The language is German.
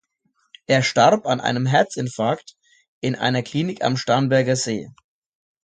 Er starb an einem Herzinfarkt in einer Klinik am Starnberger See.